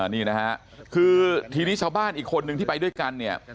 นี่นะฮะคือทีนี้ชาวบ้านอีกคนนึงที่ไปด้วยกันเนี่ย